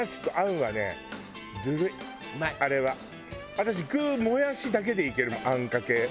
私具もやしだけでいけるあんかけ。